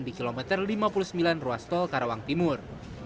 di kilometer lima puluh sembilan ruastol karawang timur